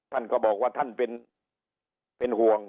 ท่านก็บอกว่าท่านเป็นห่วง